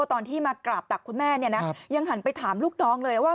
ตอนที่มากราบตักคุณแม่เนี่ยนะยังหันไปถามลูกน้องเลยว่า